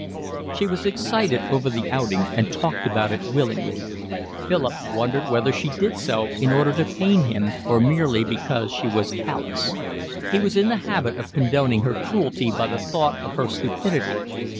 She was excited over the outing and talked about it willingly. Philip wondered whether she did so in order to pain him or merely because she was callous. He was in the habit of condoning her cruelty by the thought of her stupidity.